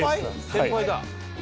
先輩だ。